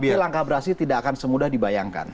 betul tapi langkah brazil tidak akan semudah dibayangkan